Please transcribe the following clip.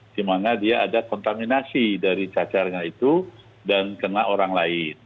di mana dia ada kontaminasi dari cacarnya itu dan kena orang lain